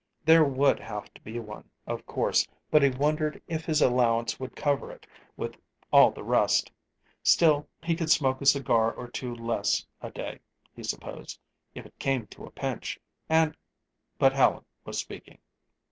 There would have to be one, of course; but he wondered if his allowance would cover it, with all the rest. Still, he could smoke a cigar or two less a day, he supposed, if it came to a pinch, and but Helen was speaking.